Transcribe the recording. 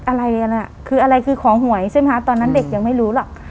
อะไรกันอ่ะคืออะไรคือของหวยใช่ไหมคะตอนนั้นเด็กยังไม่รู้หรอก